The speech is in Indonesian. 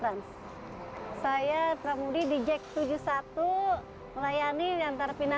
membantunya dalam ekonomi untuk anak untuk rumah untuk apa lagi sih